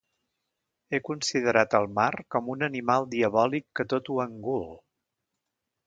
He considerat el mar com un animal diabòlic que tot ho engul.